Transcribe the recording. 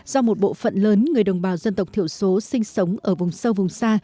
do một bộ phận lớn người đồng bào dân tộc thiểu số sinh sống ở vùng sâu vùng xa